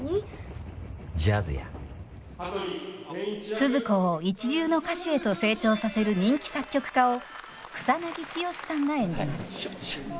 スズ子を一流の歌手へと成長させる人気作曲家を草剛さんが演じます。